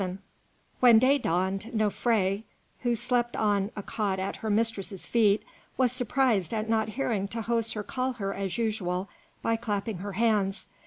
VII When day dawned, Nofré, who slept on a cot at her mistress's feet, was surprised at not hearing Tahoser call her as usual by clapping her hands.